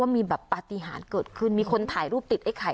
มีแบบปฏิหารเกิดขึ้นมีคนถ่ายรูปติดไอ้ไข่